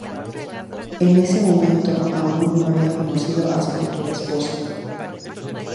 En ese momento aún no había conocido a su futura esposa.